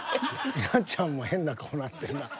稲ちゃんも変な顔なってるな。